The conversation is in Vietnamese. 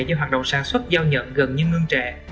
do hoạt động sản xuất giao nhận gần như ngưng trệ